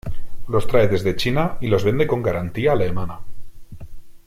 Los trae desde China y los vende con garantía alemana.